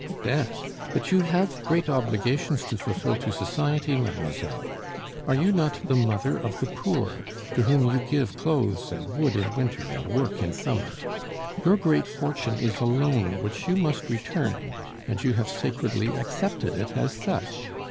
"Death? but you have great obligations to fulfil to society, mademoiselle. Are you not the mother of the poor, to whom you give clothes and wood in winter and work in summer? Your great fortune is a loan which you must return, and you have sacredly accepted it as such.